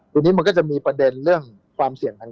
ตรงนี้มันก็จะมีประเด็นเรื่องความเสี่ยงทาง